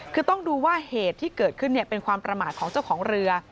คือต้องดูว่าเหตุที่เกิดขึ้นเป็นความประมาทของเจ้าของเรือ